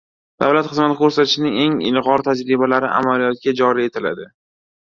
Davlat xizmati ko‘rsatishning eng ilg‘or tajribalari amaliyotga joriy etiladi